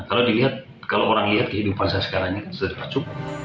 kalau dilihat kalau orang lihat kehidupan saya sekarang sudah terpacu